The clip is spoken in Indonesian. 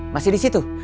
masih di situ